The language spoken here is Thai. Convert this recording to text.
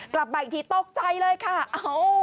กลับมาอีกทีตกใจเลยค่ะ